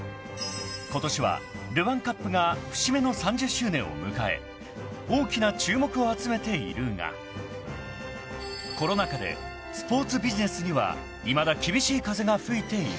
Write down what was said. ［ことしはルヴァンカップが節目の３０周年を迎え大きな注目を集めているがコロナ禍でスポーツビジネスにはいまだ厳しい風が吹いている］